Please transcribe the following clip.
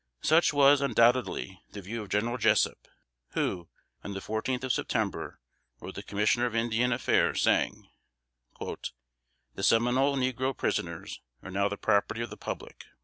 Such was, undoubtedly, the view of General Jessup, who, on the fourteenth of September, wrote the Commissioner of Indian Affairs, saying, "The Seminole negro prisoners are now the property of the public.